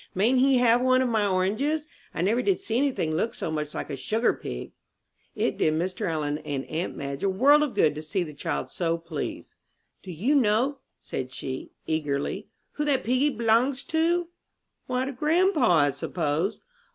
Mayn't he have one of my oranges? I never did see any thing look so much like a sugar pig." It did Mr. Allen and aunt Madge a world of good to see the child so pleased. "Do you know," said she, eagerly, "who that piggy b'longs to?" "Why, to grandpa, I suppose."